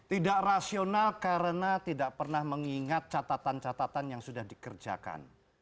tidak rasional karena tidak pernah mengingat catatan catatan yang sudah dikerjakan